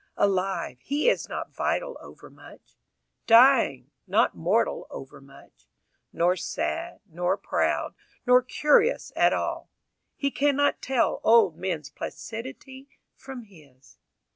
Alive, he is not vital overmuch; Dying, not mortal overmuch; Nor sad, nor proud, Nor curious at all. He cannot tell Old men's placidity from his.